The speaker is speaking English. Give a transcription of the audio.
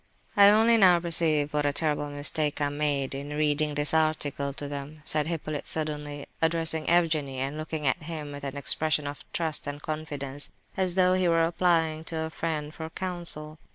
"I only now perceive what a terrible mistake I made in reading this article to them," said Hippolyte, suddenly, addressing Evgenie, and looking at him with an expression of trust and confidence, as though he were applying to a friend for counsel.